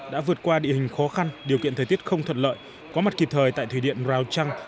đã vượt qua địa hình khó khăn điều kiện thời tiết không thuận lợi có mặt kịp thời tại thủy điện rào trăng